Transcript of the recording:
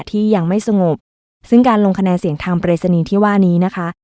ที่ยังไม่สงบซึ่งการลงคะแนนเสียงทางปริศนีย์ที่ว่านี้นะคะ